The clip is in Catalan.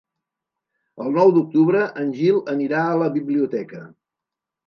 El nou d'octubre en Gil anirà a la biblioteca.